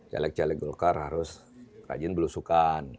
celek celek golkar harus rajin berusukan